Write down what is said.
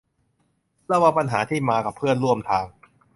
ระวังปัญหาที่มากับเพื่อนร่วมทาง